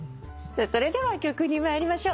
それでは曲に参りましょう。